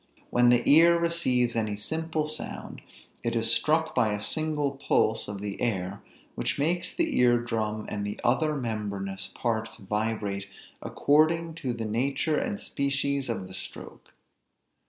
When the ear receives any simple sound, it is struck by a single pulse of the air which makes the ear drum and the other membranous parts vibrate according to the nature and species of the stroke.